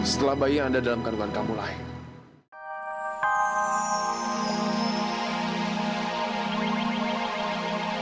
setelah bayi yang ada dalam karban kamu lahir